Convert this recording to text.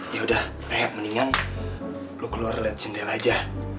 ya udah rehab mendingan lo keluar liat jendela aja